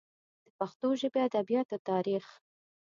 د پښتو ژبې ادبیاتو تاریخ